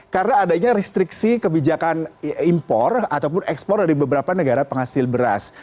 karena adanya restriksi kebijakan impor ataupun ekspor dari beberapa negara penghasil beras